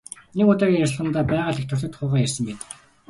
Нэг удаагийн ярилцлагадаа байгальд их дуртай тухайгаа ярьсан байдаг.